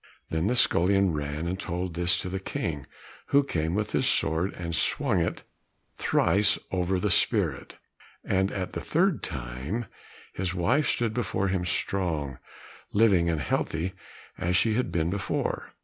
Then the scullion ran and told this to the King, who came with his sword and swung it thrice over the spirit, and at the third time, his wife stood before him strong, living, and healthy as she had been before.